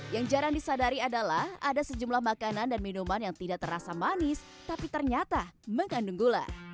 yang jarang disadari adalah ada sejumlah makanan dan minuman yang tidak terasa manis tapi ternyata mengandung gula